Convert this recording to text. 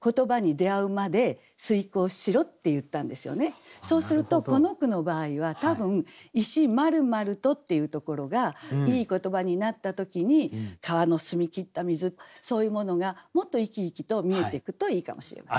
それはそうするとこの句の場合は多分「石丸々と」っていうところがいい言葉になった時に川の澄み切った水そういうものがもっと生き生きと見えていくといいかもしれません。